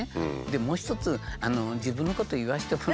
もう一つ自分のこと言わせてもらうとね